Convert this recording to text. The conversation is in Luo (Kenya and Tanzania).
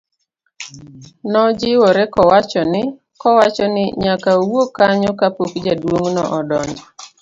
nojiwore kowacho ni nyaka owuog kanyo ka pok jaduong' no odonjo